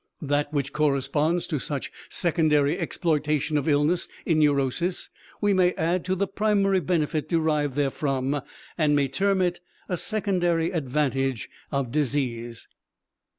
That which corresponds to such secondary exploitation of illness in neurosis we may add to the primary benefit derived therefrom and may term it a secondary advantage of disease.